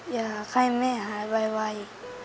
อยากให้แม่หายไว